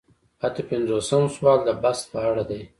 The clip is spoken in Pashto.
اته پنځوسم سوال د بست په اړه دی.